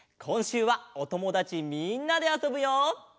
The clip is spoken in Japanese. こんしゅうはおともだちみんなであそぶよ。